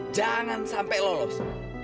jangan sampai lolos